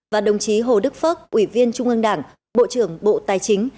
và đồng chí hồ đức phước ủy viên trung ương đảng bộ trưởng bộ tài chính